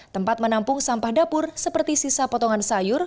tempat menampung sampah dapur seperti sisa potongan sayur